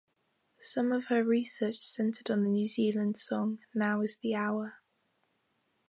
Some of her research centred on the New Zealand song "Now Is the Hour".